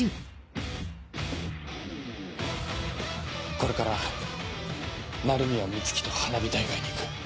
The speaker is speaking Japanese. これから鳴宮美月と花火大会に行く。